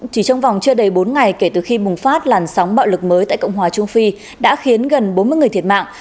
chỉ trong vòng chưa đầy bốn ngày kể từ khi bùng phát làn sóng bạo lực mới tại cộng hòa trung phi đã khiến gần bốn mươi người thiệt mạng